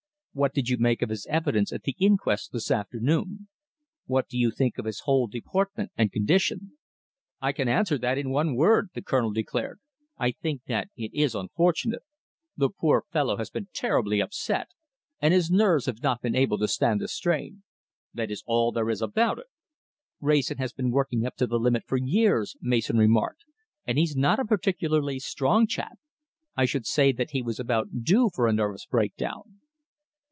What did you make of his evidence at the inquest this afternoon? What do you think of his whole deportment and condition?" "I can answer that in one word," the Colonel declared. "I think that it is unfortunate. The poor fellow has been terribly upset, and his nerves have not been able to stand the strain. That is all there is about it!" "Wrayson has been working up to the limit for years," Mason remarked, "and he's not a particularly strong chap. I should say that he was about due for a nervous breakdown."